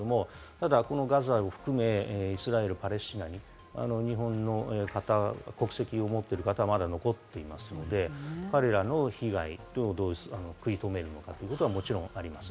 ただこのガザを含め、イスラエル、パレスチナに日本の方、国籍を持っている方がまだ残っていますので、彼らへの被害をどう食い止めるのかということはもちろんあります。